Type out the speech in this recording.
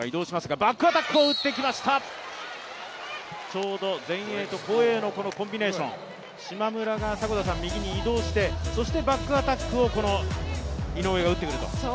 ちょうど前衛と後衛のコンビネーション、島村が右に移動して、そしてバックアタックを井上が打ってくると。